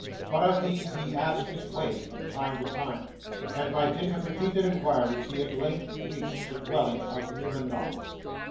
But of these he asked his way from time to time, and by dint of repeated inquiries, he at length reached the dwelling of Newman Noggs.